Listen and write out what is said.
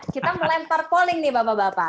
kita melempar polling nih bapak bapak